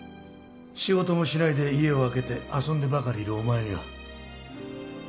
仕事もしないで家を空けて遊んでばかりいるお前には。